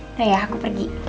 udah ya aku pergi